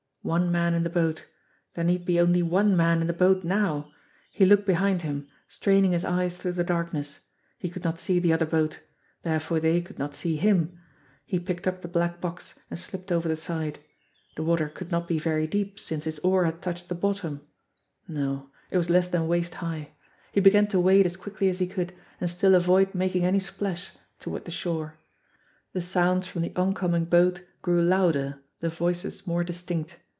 One man in the boat There need be only one man in the boat now! He looked behind him, straining his eyes through the darkness. He could not see the other boat. Therefore they could not see him. He picked up the black box, and slipped over the side. The water could not be very deep since his oar had touched the bottom no it was less than waist high. He began Jo THE BLACK BOX 255 wade as quickly as he could, and still avoid making any splash, toward the shore. The sounds from the oncoming boat grew louder, the voices more distinct.